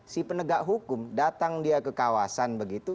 si penegak hukum datang dia ke kawasan begitu